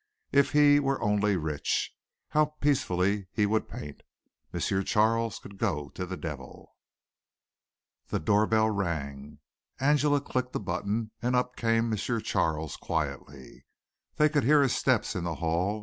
If he were only rich how peacefully he would paint! M. Charles could go to the devil. The door bell rang. Angela clicked a button and up came M. Charles quietly. They could hear his steps in the hall.